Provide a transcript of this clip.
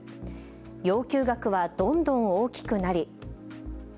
要求額はどんどん大きくなり。